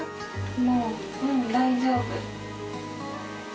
もううん大丈夫。